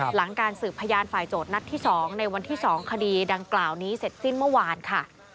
หลังการสืบพยานฝ่ายโจทย์นัดที่๒ในวันที่๒คดีดังกล่าวนี้เสร็จสิ้นเมื่อวานค่ะ